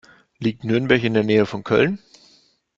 Liegt Nürnberg in der Nähe von Köln?